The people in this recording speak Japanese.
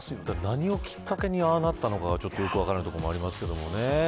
何をきっかけにああなったのかよく分からないところもありますけどね。